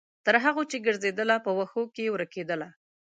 تر هغو چې ګرځیدله، په وښو کې ورکیدله